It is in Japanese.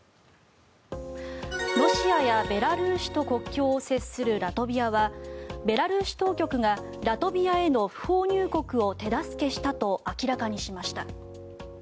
ロシアやベラルーシと国境を接するラトビアはベラルーシ当局がラトビアへの不法入国を手助けしたと明らかにしました。